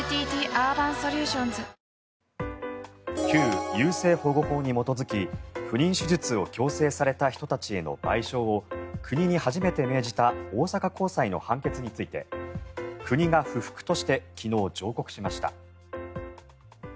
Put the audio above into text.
旧優生保護法に基づき不妊手術を強制された人たちへの賠償を国に初めて命じた大阪高裁の判決について国が不服として昨日、上告しました。